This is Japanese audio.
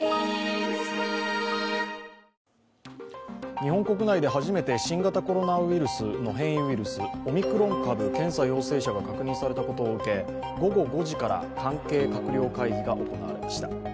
日本国内で初めて新型コロナウイルスの変異ウイルス、オミクロン株検査陽性者が確認されたことを受け、午後５時から関係閣僚会議が行われました。